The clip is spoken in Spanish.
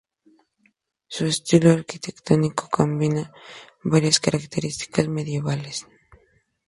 Su estilo arquitectónico combina varias características medievales.